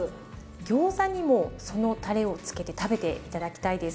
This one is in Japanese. ギョーザにもそのたれを付けて食べて頂きたいです。